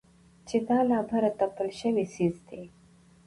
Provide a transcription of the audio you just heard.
چې دا له بهره تپل شوى څيز دى.